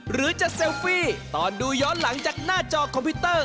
หรือจะเซลฟี่ตอนดูย้อนหลังจากหน้าจอคอมพิวเตอร์